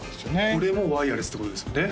これもワイヤレスってことですよね？